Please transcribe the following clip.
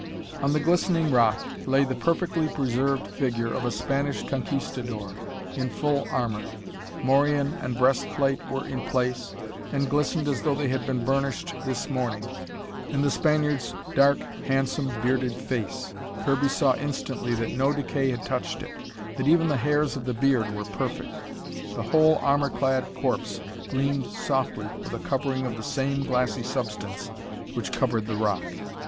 On the glistening rock lay the perfectly preserved figure of a Spanish Conquistadore in full armor. Morion and breast plate were in place, and glistened as though they had been burnished this morning. And the Spaniard's dark, handsome, bearded face! Kirby saw instantly that no decay had touched it, that even the hairs of the beard were perfect. The whole armor clad corpse gleamed softly with a covering of the same glassy substance which covered the rock.